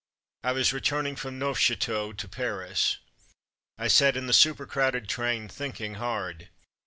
I was returning from Neufchateau to Paris. I sat in the super crowded train thinking hard.